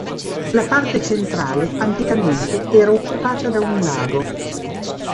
La parte centrale anticamente era occupata da un lago.